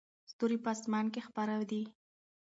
ستوري په اسمان کې خپاره دي.